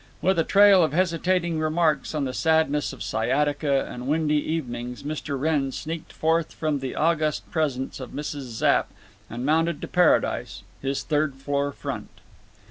With a trail of hesitating remarks on the sadness of sciatica and windy evenings Mr. Wrenn sneaked forth from the august presence of Mrs. Zapp and mounted to paradise—his third floor front.